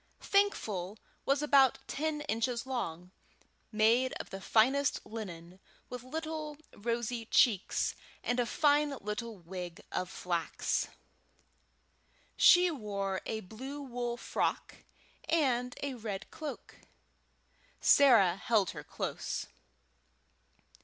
Thankful was about ten inches long, made of the finest linen, with little rosy cheeks, and a fine little wig of flax. She wore a blue wool frock and a red cloak. Sarah held her close.